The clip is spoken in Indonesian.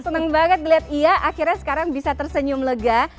seneng banget melihat ia akhirnya sekarang bisa tersenyum lega